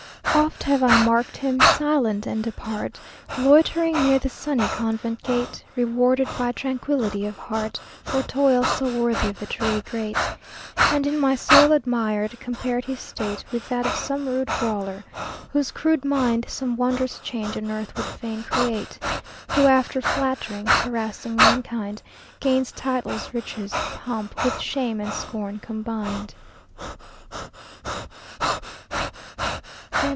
Oft have I marked him, silent and apart, Loitering near the sunny convent gate, Rewarded by tranquillity of heart For toils so worthy of the truly great; And in my soul admired, compared his state With that of some rude brawler, whose crude mind Some wondrous change on earth would fain create; Who after flatt'ring, harassing mankind, Gains titles, riches, pomp, with shame and scorn combined.